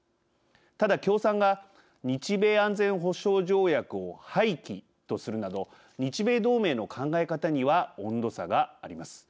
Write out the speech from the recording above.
ただ、共産が日米安全保障条約を廃棄とするなど日米同盟の考え方には温度差があります。